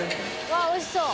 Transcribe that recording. わぁおいしそう。